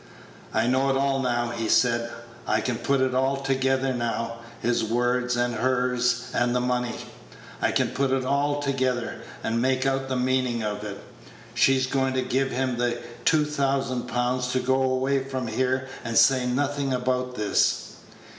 "I know it all now," he said. "I can put it all together now, his words, and hers, and the money. I can put it all together, and make out the meaning of it. She's going to give him the two thousand pound to go away from here and say nothing about this."